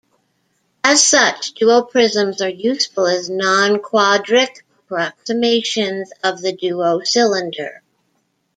As such, duoprisms are useful as non-quadric approximations of the duocylinder.